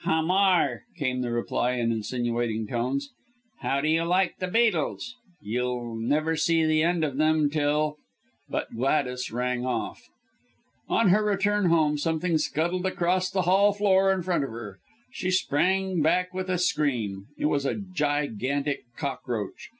"Hamar," came the reply, in insinuating tones. "How do you like the beetles? You'll never see the end of them till " But Gladys rang off. On her return home something scuttled across the hall floor in front of her. She sprang back with a scream. It was a gigantic cockroach.